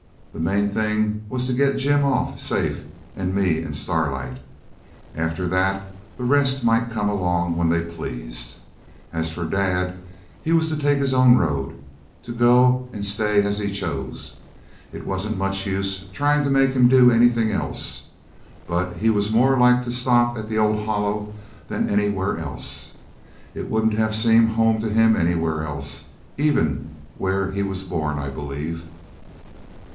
The main thing was to get Jim off safe and me and Starlight. After that the rest might come along when they pleased. As for dad, he was to take his own road; to go and stay as he chose. It wasn't much use trying to make him do anything else. But he was more like to stop at the old Hollow than anywhere else. It wouldn't have seemed home to him anywhere else, even where he was born, I believe.